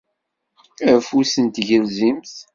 Afus n tgelzimt.